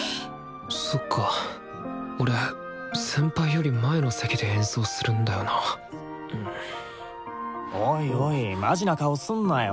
そっか俺先輩より前の席で演奏するんだよなおいおいマジな顔すんなよ。